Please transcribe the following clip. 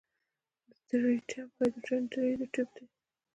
د ټریټیم هایدروجن درې ایزوټوپ دی.